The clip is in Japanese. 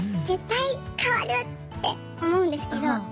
絶対変わる！って思うんですけど。